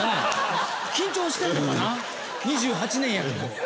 緊張してるのかな２８年やってて。